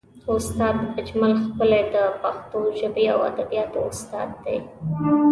استاد اجمل ښکلی د پښتو ژبې او ادبیاتو استاد دی.